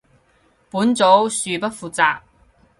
本組恕不負責